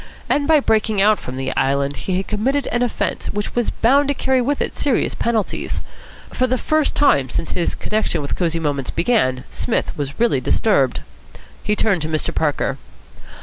And by breaking out from the Island he had committed an offence which was bound to carry with it serious penalties. For the first time since his connection with Cosy Moments began Psmith was really disturbed. He turned to Mr. Parker.